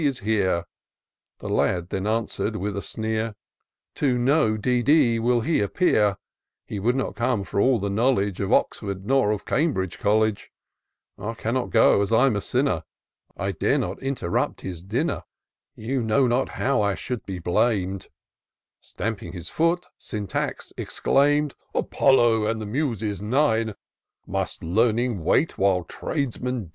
is here :" The lad then answer'd with a sneer, " To no D. D. will he appear ; He would not come for all the knowledge Of Oxford or of Cambridge College : I cannot go, as I'm a sinner ; I dare not interrupt his dinner: You know not how I should be blam'd " Stamping his foot, Syntax exclaimed, " Apollo a^d the Muses nine I Must Learning wait while tradesmen dine?"